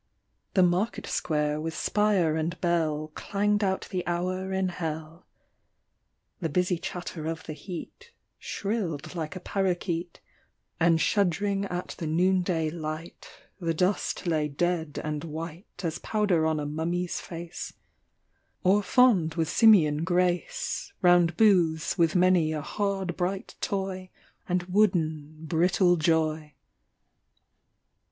The market square with spire and bell Clanged out the hour in Hell ; The busy chatter of the heat Shrilled like a parokeet ; And shudd 'ring at the noonday light, The dust lay dead and white As powder on a mummy's face, Or fawned with simian grace Round booths with many a hard bright toy And wooden brittle joy : 86 dozen's Houses.